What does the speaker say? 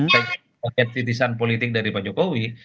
paket paket titisan politik dari pak jokowi